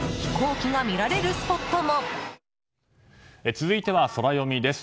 続いてはソラよみです。